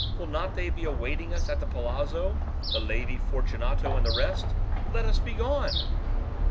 Will not they be awaiting us at the palazzo, the Lady Fortunato and the rest? Let us be gone."